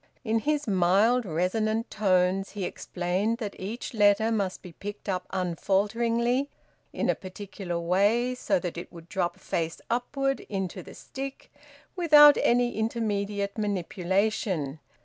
In his mild, resonant tones he explained that each letter must be picked up unfalteringly in a particular way, so that it would drop face upward into the stick without any intermediate manipulation.